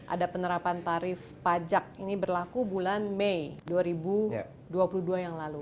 ada penerapan tarif pajak ini berlaku bulan mei dua ribu dua puluh dua yang lalu